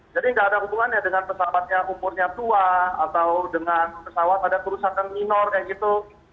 jadi tidak ada hubungannya dengan pesawatnya umurnya tua atau dengan pesawat ada kerusakan minor kayak gitu